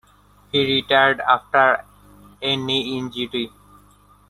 He retired after a knee injury.